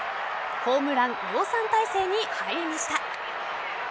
ホームラン量産体制に入りました。